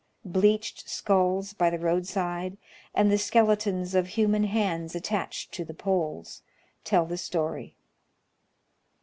Bleached skulls by the I'oadside, and the skeletons of human hands attached to the poles, tell the siory.